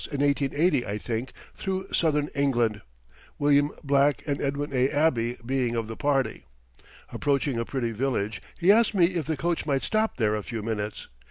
_ MATTHEW ARNOLD] He coached with us in 1880, I think, through Southern England William Black and Edwin A. Abbey being of the party. Approaching a pretty village he asked me if the coach might stop there a few minutes.